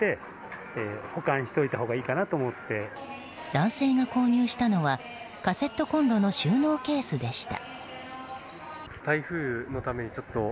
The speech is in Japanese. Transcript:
男性が購入したのはカセットコンロの収納ケースでした。